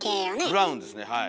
ブラウンですねはい。